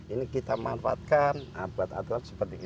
ini kita manfaatkan buat aturan seperti ini